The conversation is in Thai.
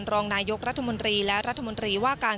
รองนายกรัฐมนตรีและรัฐมนตรีว่าการ